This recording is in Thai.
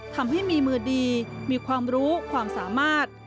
ทำให้มีมือดีมีความรู้ความสามารถ